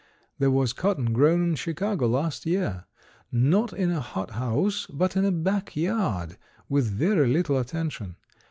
There was cotton grown in Chicago last year. Not in a hot house, but in a back yard with very little attention.